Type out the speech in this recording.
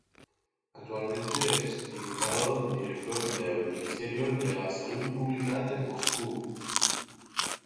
Actualmente, es diputado-director del Ministerio de la Salud Pública de Moscú.